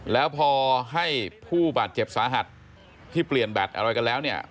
แล้วพอให้ผู้บาดเจ็บสาหัสที่เปลี่ยนแบตอะไรกันแล้วเนี่ย